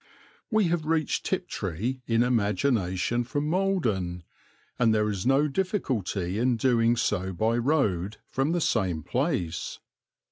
We have reached Tiptree in imagination from Maldon, and there is no difficulty in doing so by road from the same place.